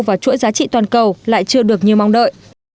và chuỗi giá trị toàn cầu lại chưa được như mong đợi